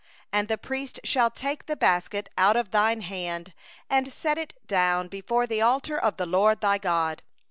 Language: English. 4And the priest shall take the basket out of thy hand, and set it down before the altar 26 of the LORD thy God.